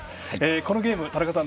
このゲーム、田中さん